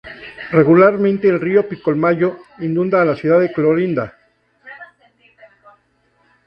Regularmente el río Pilcomayo inunda a la ciudad de Clorinda.